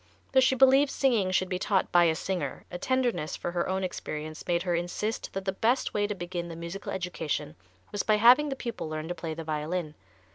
Though she believed singing should be taught by a singer, a tenderness for her own experience made her insist that the best way to begin the musical education was by having the pupil learn to play the violin.